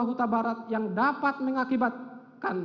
huta barat yang dapat mengakibatkan